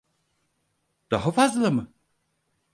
Daha fazla mı?